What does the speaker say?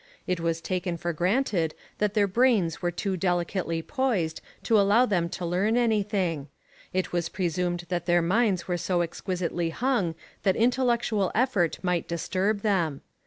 It was taken for granted that their brains were too delicately poised to allow them to learn anything. It was presumed that their minds were so exquisitely hung that intellectual effort might disturb them.